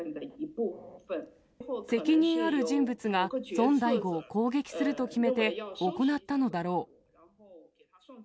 責任ある人物が、孫大午を攻撃すると決めて、行ったのだろう。